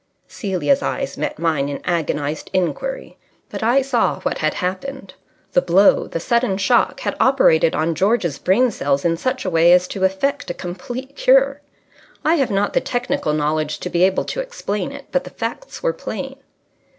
Celia's eyes met mine in agonized inquiry. But I saw what had happened. The blow, the sudden shock, had operated on George's brain cells in such a way as to effect a complete cure. I have not the technical knowledge to be able to explain it, but the facts were plain.